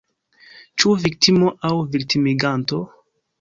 Ĉu viktimo – aŭ viktimiganto?